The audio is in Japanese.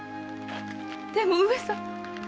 でも上様。